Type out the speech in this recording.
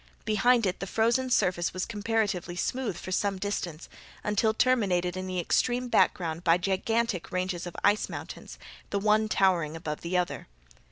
Behind it the frozen surface was comparatively smooth for some distance, until terminated in the extreme background by gigantic ranges of ice mountains, the one towering above the other.